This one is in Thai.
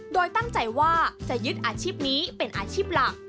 โดยตั้งใจว่าจะยึดอาชีพนี้เป็นอาชีพหลัก